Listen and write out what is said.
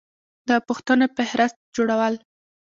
د پوښتنو فهرست جوړول